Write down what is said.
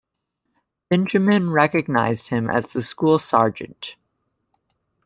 Benjamin recognized him as the school sergeant.